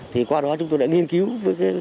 thì qua đó chúng tôi đã nghiên cứu